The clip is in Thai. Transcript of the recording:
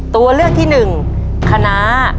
ตัวเลือกที่หนึ่งคณะ